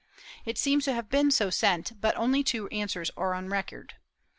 It seems to have been so sent, but only two answers are on record.